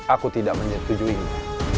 aku tidak menyetujuinya